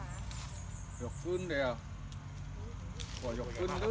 อย่าพามาทางนี้นะครับ